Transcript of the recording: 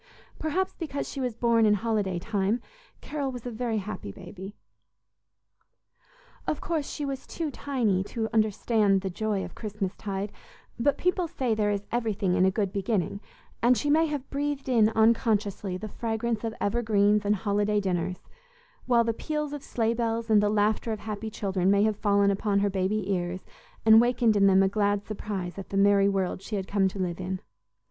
Perhaps because she was born in holiday time, Carol was a very happy baby. Of course, she was too tiny to understand the joy of Christmas tide, but people say there is everything in a good beginning, and she may have breathed in unconsciously the fragrance of evergreens and holiday dinners; while the peals of sleigh bells and the laughter of happy children may have fallen upon her baby ears and wakened in them a glad surprise at the merry world she had come to live in.